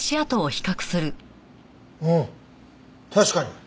うん確かに。